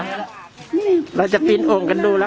นี่เห็นจริงตอนนี้ต้องซื้อ๖วัน